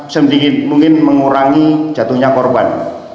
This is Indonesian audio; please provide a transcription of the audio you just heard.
sedikit mungkin mengurangi jatuhnya korban